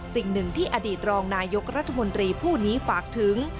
สิ่งหนึ่งที่อดีตรองนายกรัฐมนตรีผู้นี้ฝากถึง